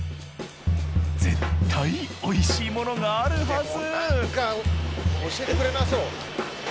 絶対おいしいものがあるはず。